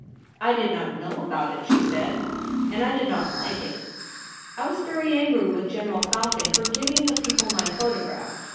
' I did not know about it,' she said, ' and I did not like it ; I was very angry with General Falcon for giving the people my photograph.